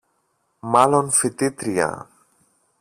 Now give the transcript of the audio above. Μάλλον φοιτήτρια